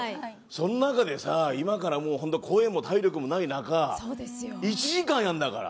そんな中でさ、今から本当に声も体力もない中１時間やんだから。